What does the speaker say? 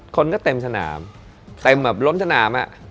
คนก็เต็มสนามเต็มแบบล้นสนาม